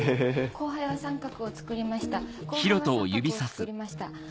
後輩は三角を作りました。